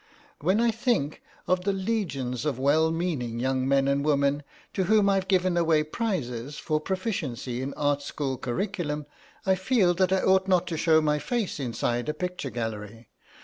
"When I think of the legions of well meaning young men and women to whom I've given away prizes for proficiency in art school curriculum, I feel that I ought not to show my face inside a picture gallery.